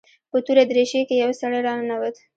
په توره دريشي کښې يو سړى راننوت.